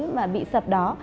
và bị sập đó